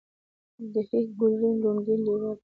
گهيځ ، گلورين ، لونگين ، لېوال ، لرغون ، لونگ ، لمر